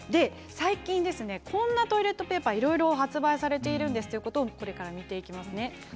最近、こんなトイレットペーパーいろいろ発売されているということを、これから見ていきます。